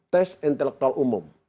tes intelektual umum